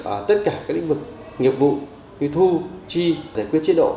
ở tất cả các lĩnh vực nghiệp vụ thu chi giải quyết chế độ